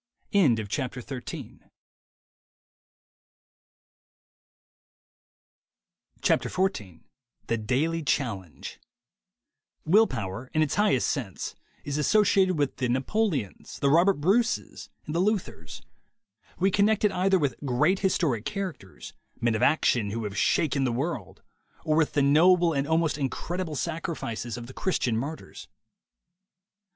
XIV THE DAILY CHALLENGE XI 71LL P0WER, in its highest sense, is asso ciated with the Napoleons, the Robert Braces, and the Luthers. We connect it either with great historic characters, men of action who have shaken the world, or with the noble and almost incredible sacrifices of the Christian martyrs.